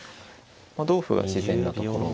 まあ同歩は自然なところ。